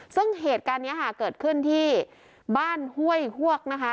ซึ่งเหตุการณ์นี้ค่ะเกิดขึ้นที่บ้านห้วยฮวกนะคะ